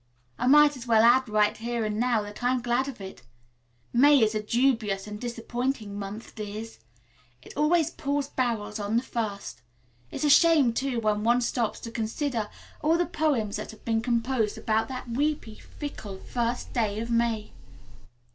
"I might as well add, right here and now, that I'm glad of it. May is a dubious and disappointing month, dears. It always pours barrels on the first. It's a shame, too, when one stops to consider all the poems that have been composed about that weepy, fickle first day of May.